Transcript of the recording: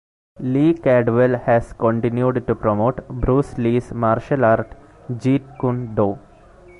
Lee Cadwell has continued to promote Bruce Lee's martial art Jeet Kune Do.